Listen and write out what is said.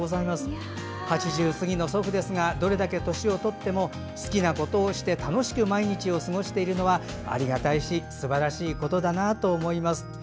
８０過ぎの祖父ですがどれだけ年をとっても好きなことをして楽しく毎日を過ごしているのはありがたいしすばらしいことだなと思います。